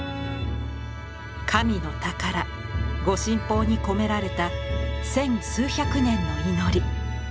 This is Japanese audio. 神の宝・御神宝に込められた千数百年の祈り。